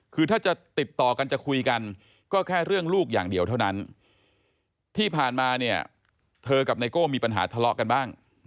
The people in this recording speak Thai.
คือถ้าจะติดต่อกันจะคุยกันก็แค่เรื่องลูกอย่างเดียวเท่านั้นที่ผ่านมาเนี่ยเธอกับไนโก้มีปัญหาทะเลาะกันบ้าง